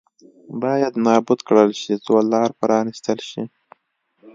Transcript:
باید نابود کړل شي څو لار پرانېستل شي.